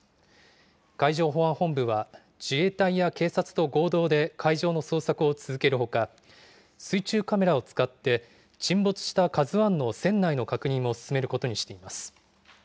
海上保安本部は、自衛隊や警察と合同で海上の捜索を続けるほか、水中カメラを使って沈没したＫＡＺＵＩの船内の確認も進めることにしています。